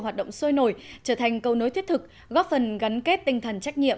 hoạt động sôi nổi trở thành câu nối thiết thực góp phần gắn kết tinh thần trách nhiệm